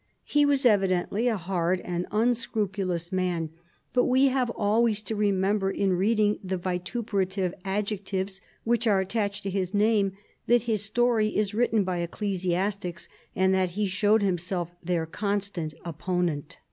He was evidently a hard and unscrupulous man, but we have always to re member in reading the vituperative adjectives which are attached to his name that his story is written by ecclesiastics, and that he showed himself their constant opponent.